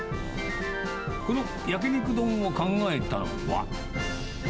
この焼肉丼を考えたのは。